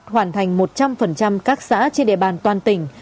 hoàn thành một trăm linh các xã trên địa bàn toàn tỉnh